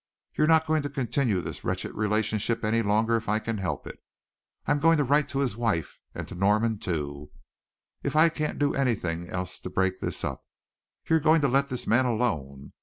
You're not going to continue this wretched relationship any longer if I can help it. I'm going to write to his wife and to Norman too, if I can't do anything else to break this up. You're going to let this man alone.